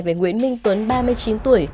với nguyễn minh tuấn ba mươi chín tuổi